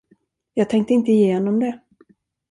Jag tänkte inte igenom det.